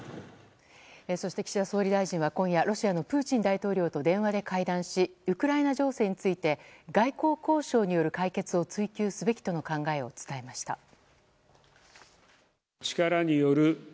そして岸田総理大臣は今夜、ロシアのプーチン大統領と電話で会談しウクライナ情勢について外交交渉による解決を追求すべきとの考えを伝えました。